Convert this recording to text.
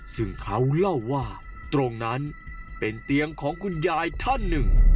ซึ่งเขาเล่าว่าตรงนั้นเป็นเตียงของคุณยายท่านหนึ่ง